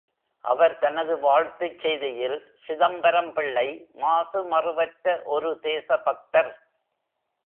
அவர் தனது வாழ்த்துச் செய்தியில், சிதம்பரம் பிள்ளை மாசுமறுவற்ற ஒரு தேசபக்தர்.